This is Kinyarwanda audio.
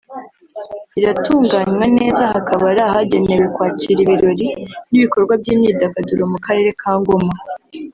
iratunganywa neza hakaba ari ahagenewe kwakira ibirori n’ibikorwa by’imyidagaduro mu karere ka Ngoma